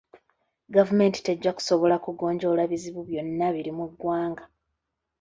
Gavumenti tejja kusobola kugonjoola bizibu byonna biri mu ggwanga.